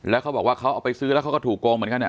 แล้วเขาบอกว่าเขาเอาไปซื้อแล้วเขาก็ถูกโกงเหมือนกัน